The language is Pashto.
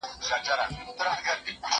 مه کوه په ما، چي و به سي په تا.